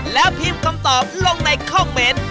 แล้วพิมพ์คำตอบลงในคอมเมนต์